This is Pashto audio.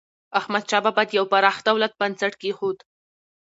احمدشاه بابا د یو پراخ دولت بنسټ کېښود.